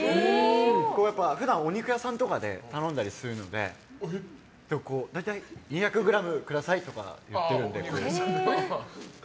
僕、普段お肉屋さんとかで頼んだりするので大体２００ｇくださいとか言ってるので。